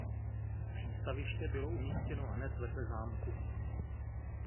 Přístaviště bylo umístěno hned vedle zámku.